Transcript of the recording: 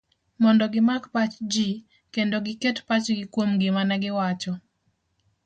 mondo gimak pach ji, kendo giket pachgi kuom gima negiwacho